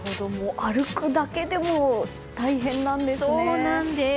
歩くだけでも大変なんですね。